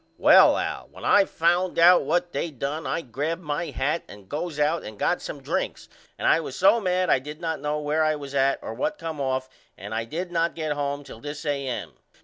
Well Al when I found out what they done I grabbed my hat and goes out and got some drinks and I was so mad I did not know where I was at or what come off and I did not get home till this A.M.